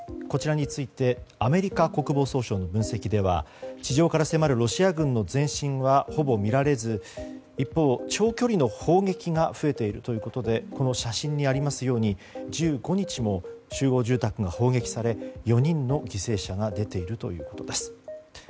こちらについてアメリカ国防総省の分析では地上から迫るロシア軍の前進はほぼ見られず一方、長距離の砲撃が増えているということでこの写真にありますように１５日も集合住宅が砲撃され４人の犠牲者が出ているということです。